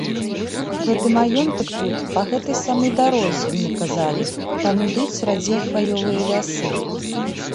Гэты маёнтак тут, па гэтай самай дарозе, мне казалі, там ідуць радзей хваёвыя лясы.